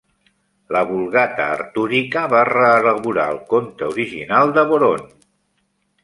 La Vulgata artúrica va reelaborar el conte original de Boron.